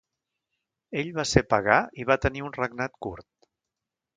Ell va ser pagà i va tenir un regnat curt.